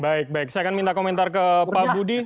baik baik saya akan minta komentar ke pak budi